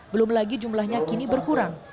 belum lagi jumlahnya kini berkurang